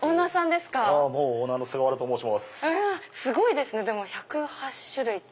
すごいですね１０８種類って。